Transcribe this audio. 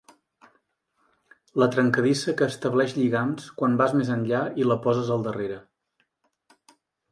La trencadissa que estableix lligams quan vas més enllà i la poses al darrere.